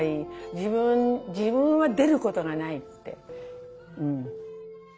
自分自分は出ることがないって。